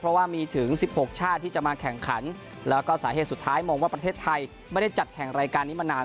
เพราะว่ามีถึง๑๖ชาติที่จะมาแข่งขันแล้วก็สาเหตุสุดท้ายมองว่าประเทศไทยไม่ได้จัดแข่งรายการนี้มานาน